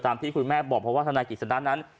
ที่คุณแม่บอกเพราะว่าธนายกิจสนะนั้น